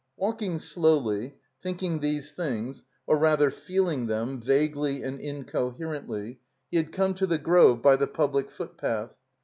Walking slowly, thinking these things, or rather feeling them, vaguely and incoherently, he had come to the grove by the pubUc footpath.